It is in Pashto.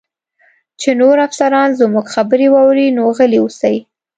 چې نور افسران زموږ خبرې واوري، نو غلي اوسئ.